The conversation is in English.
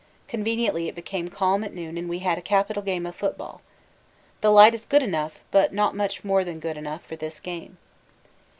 Conveniently it became calm at noon and we had a capital game of football. The light is good enough, but not much more than good enough, for this game.